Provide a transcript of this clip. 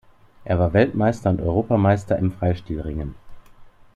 Er war Weltmeister und Europameister im Freistilringen.